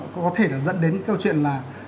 có thể dẫn đến câu chuyện là